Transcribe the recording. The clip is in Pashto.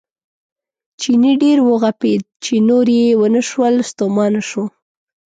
چیني ډېر وغپېد چې نور یې ونه شول ستومانه شو.